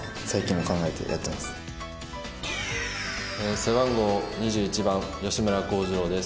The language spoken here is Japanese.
背番号２１番吉村貢司郎です。